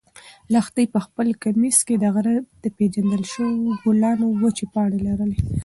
لښتې په خپل کمیس کې د غره د پېژندل شوو ګلانو وچې پاڼې لرلې.